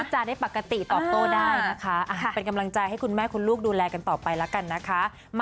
จาได้ปกติตอบโต้ได้นะคะเป็นกำลังใจให้คุณแม่คุณลูกดูแลกันต่อไปแล้วกันนะคะ